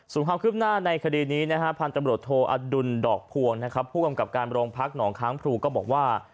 ส่วนความคืบหน้าในคดีนี้นะฮะพันธุ์ตำรวจโทอดุลดอกพวงนะครับผู้กำกับการโรงพักหนองค้างพลูก็บอกว่า